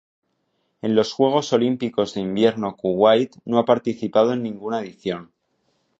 En los Juegos Olímpicos de Invierno Kuwait no ha participado en ninguna edición.